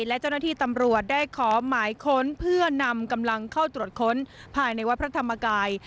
และเจ้าหน้าที่ตำรวจได้ขอหมายค้นเพื่อนำกำลังเข้าตรวจค้นภายในวัดพระธรรมกาย